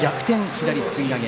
左のすくい投げ。